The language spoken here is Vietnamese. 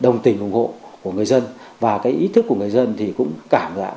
đồng tình ủng hộ của người dân và cái ý thức của người dân thì cũng cảm giác